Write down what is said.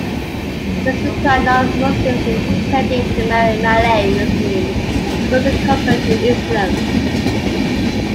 These require non-Muslims intending to marry Malay-Muslims first to convert to Islam.